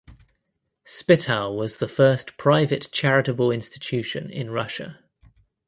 Spital was the first private charitable institution in Russia.